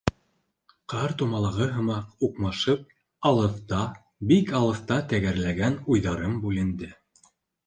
Ҡар тумалағы һымаҡ уҡмашып, алыҫта, бик алыҫта тәгәрләгән уйҙарым бүленде.